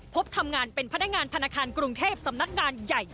พบทำงานเป็นพนักงานธนาคารกรุงเทพสำนักงานใหญ่